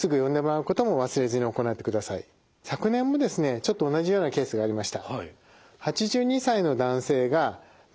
昨年もですねちょっと同じようなケースがありました。